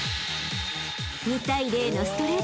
［２対０のストレート勝ち］